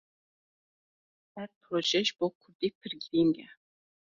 Ev proje ji bo Kurdî pir giring e.